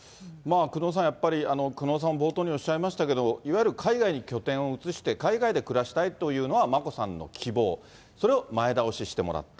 久能さん、やっぱり久能さん、冒頭におっしゃいましたけれども、いわゆる海外に拠点を移して、海外で暮らしたいというのは、眞子さんの希望、それを前倒ししてもらった。